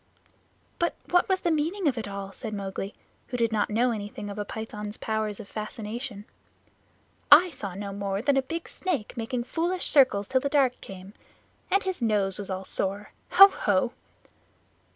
"But what was the meaning of it all?" said Mowgli, who did not know anything of a python's powers of fascination. "I saw no more than a big snake making foolish circles till the dark came. And his nose was all sore. Ho! Ho!"